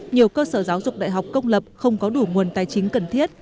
nhiều cơ sở giáo dục đại học công lập không có đủ nguồn tài chính cần thiết